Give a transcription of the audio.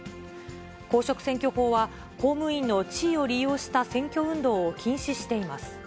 公職選挙法は公務員の地位を利用した選挙運動を禁止しています。